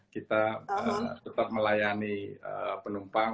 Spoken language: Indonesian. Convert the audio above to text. kita tetap melayani penumpang